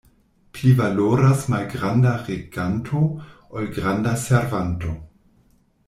Pli valoras malgranda reganto, ol granda servanto.